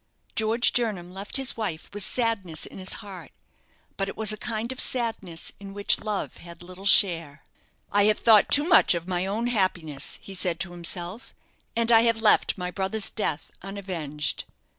George Jernam left his wife with sadness in his heart; but it was a kind of sadness in which love had little share. "I have thought too much of my own happiness," he said to himself, "and I have left my brother's death unavenged.